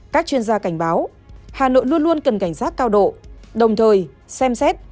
các chuyên gia cảnh báo hà nội luôn luôn cần cảnh giác cao độ đồng thời xem xét